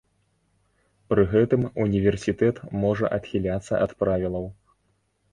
Пры гэтым універсітэт можа адхіляцца ад правілаў.